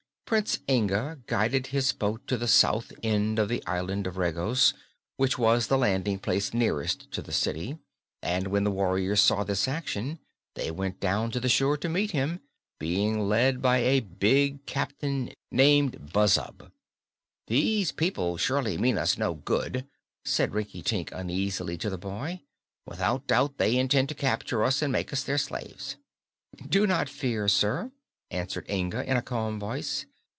Prince Inga guided his boat to the south end of the Island of Regos, which was the landing place nearest to the city, and when the warriors saw this action they went down to the shore to meet him, being led by a big captain named Buzzub. "Those people surely mean us no good," said Rinkitink uneasily to the boy. "Without doubt they intend to capture us and make us their slaves." "Do not fear, sir," answered Inga, in a calm voice.